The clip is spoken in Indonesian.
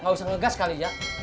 gak usah ngegas kali zak